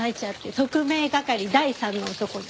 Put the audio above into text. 特命係第三の男に。